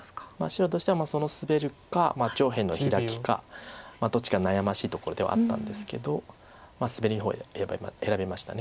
白としてはそのスベるか上辺のヒラキかどっちか悩ましいところではあったんですけどスベリの方を選びました。